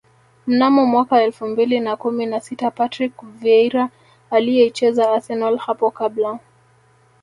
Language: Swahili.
Mnamo mwaka elfu mbili na kumi na sita Patrick Vieira aliyeichezea Arsenal hapo kabla